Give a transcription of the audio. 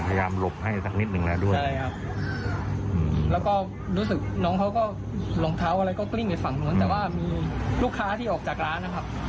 เพราะว่าพวกเราก็อยู่ในบ้านนะครับ